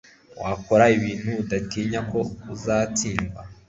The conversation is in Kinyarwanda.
wakora ibintu udatinya ko uzatsindwa